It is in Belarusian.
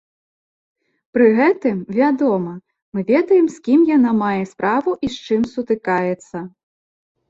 Пры гэтым, вядома, мы ведаем, з кім яна мае справу і з чым сутыкаецца.